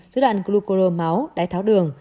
dưới loạn glucuromáu đáy tháo đường